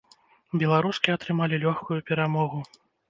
Беларускі атрымалі лёгкую перамогу.